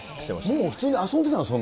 もう普通に遊んでたんだ？